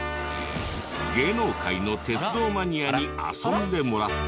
芸能界の鉄道マニアに遊んでもらった。